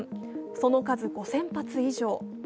その数５０００発以上。